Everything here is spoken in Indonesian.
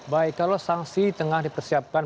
baik kalau sanksi tengah dipersiapkan